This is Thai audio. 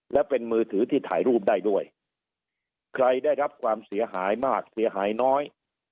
และเป็นมือถือที่ถ่ายรูปได้ด้วยใครได้รับความเสียหายมากเสียหายน้อย